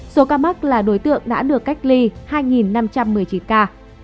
số ca mắc là đối tượng đã được cách ly hai năm trăm một mươi chín ca